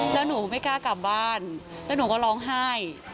แล้วหนูไม่กล้ากลับบ้านแล้วหนูก็ร้องไห้